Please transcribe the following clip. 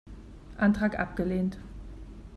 Antrag abgelehnt!